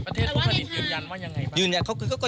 ประเทศผู้ผลิตยืนยันว่ายังไงบ้าง